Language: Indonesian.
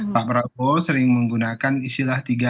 pak prabowo sering menggunakan istilah tiga